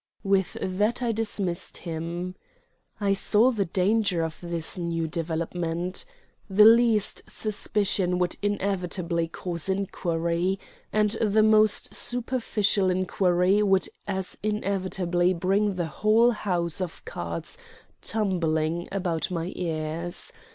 With that I dismissed him. I saw the danger of this new development. The least suspicion would inevitably cause inquiry; and the most superficial inquiry would as inevitably bring the whole house of cards tumbling about my ears.